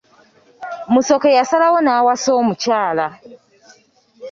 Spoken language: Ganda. Musoke yasalawo n'awasa omukyala.